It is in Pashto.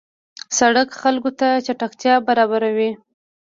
سړک خلکو ته چټکتیا برابروي.